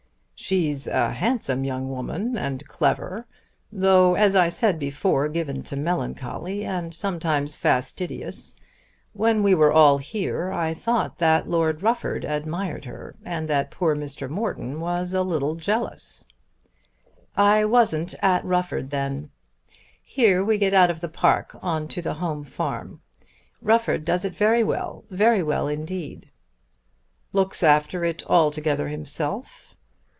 "She's a handsome young woman and clever, though, as I said before, given to melancholy, and sometimes fastidious. When we were all here I thought that Lord Rufford admired her, and that poor Mr. Morton was a little jealous." "I wasn't at Rufford then. Here we get out of the park on to the home farm. Rufford does it very well, very well indeed." "Looks after it altogether himself?"